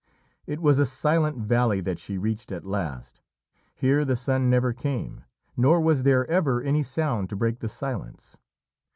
It was a silent valley that she reached at last. Here the sun never came, nor was there ever any sound to break the silence.